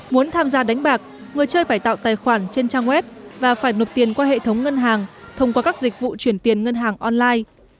muốn tham gia đánh bạc người chơi phải tạo tài khoản trên trang web và phải nộp tiền qua hệ thống ngân hàng thông qua các dịch vụ chuyển tiền ngân hàng online